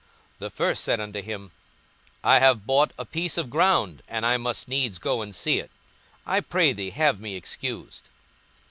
The first said unto him, I have bought a piece of ground, and I must needs go and see it: I pray thee have me excused.